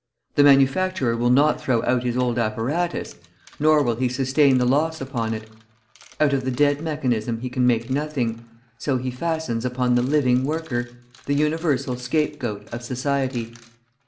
The manufacturer will not throw out his old apparatus, nor will he sustain the loss upon it; out of the dead mechanism he can make nothing, so he fastens upon the living worker, the universal scapegoat of society.